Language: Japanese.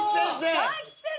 大吉先生。